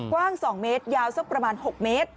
กว้าง๒เมตรยาว๖เมตร